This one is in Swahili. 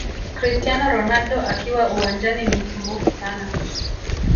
Cristiano Ronaldo akiwa uwanjani ni msumbufu sana